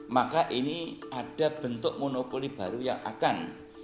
maka ini ada bentuk monopoli baru yang akan